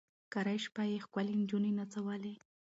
کرۍ شپه یې ښکلي نجوني نڅولې